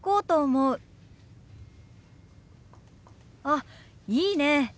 あっいいねえ。